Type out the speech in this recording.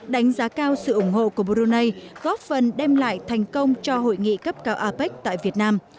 đánh giá cao sự ủng hộ của brunei góp phần đem lại thành công cho hội nghị cấp cao apec tại việt nam